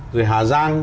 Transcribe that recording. rồi hà giang